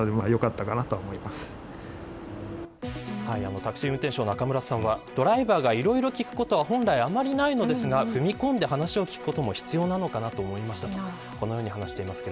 タクシー運転手の中村さんはドライバーがいろいろ聞くことはあんまりないのですが踏み込んで話を聞くことも必要なのではないかと思いましたと話していました。